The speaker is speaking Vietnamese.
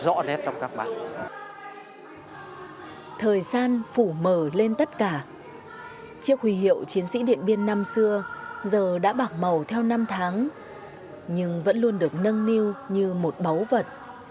chúng tôi tự hào là một chiến sĩ điện biên là một chiến dịch điện biên